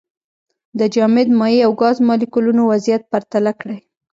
د جامد، مایع او ګاز مالیکولونو وضعیت پرتله کړئ.